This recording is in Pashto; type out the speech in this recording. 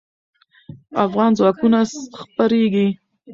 افغان ځواکونه خپرېږي.